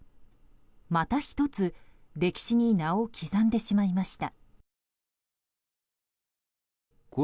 また１つ歴史に名を刻んでしまいました。